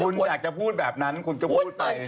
คุณอยากจะพูดแบบนั้นคุณก็พูดไป